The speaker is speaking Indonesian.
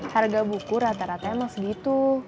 harga buku rata rata emang segitu